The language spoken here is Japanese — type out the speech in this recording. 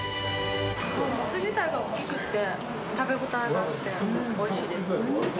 もつ自体が大きくて、食べ応えがあっておいしいです。